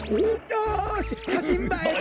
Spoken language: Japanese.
よししゃしんばえだ！